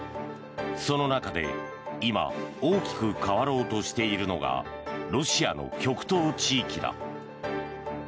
その中で大きく変わろうとしているのがロシアの極東地域だ。